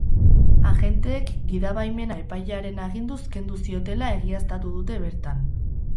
Agenteek gidabaimena epailearen aginduz kendu ziotela egiaztatu dute bertan.